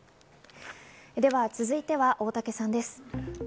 続いては大竹さんです。